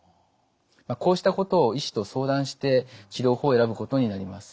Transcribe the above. こうしたことを医師と相談して治療法を選ぶことになります。